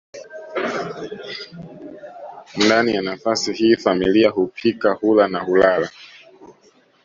Ndani ya nafasi hii familia hupika hula na hulala